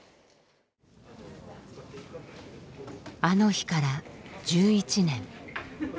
あの日から１１年。